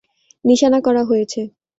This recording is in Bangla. নিশানা করা হয়েছে।